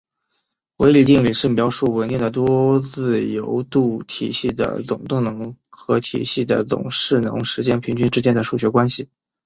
维里定理是描述稳定的多自由度体系的总动能和体系的总势能时间平均之间的数学关系。